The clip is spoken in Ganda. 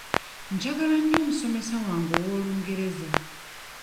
Njagala nnyo omusomesa wange ow'Olungereza.